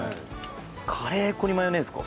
カレー粉にマヨネーズか。